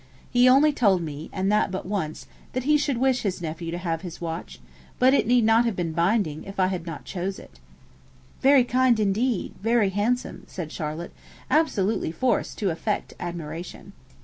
He only told me, and that but once, that he should wish his nephew to have his watch; but it need not have been binding, if I had not chose it.' 'Very kind indeed, very handsome!' said Charlotte, absolutely forced to affect admiration.